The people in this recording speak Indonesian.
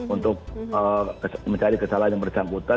untuk mencari kesalahan yang bersangkutan